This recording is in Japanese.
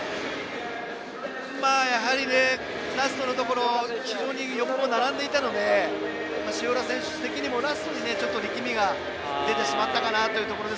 やはりラストのところ非常に横に並んでいたので塩浦選手的にもラストに力みが出てしまったかなというところ。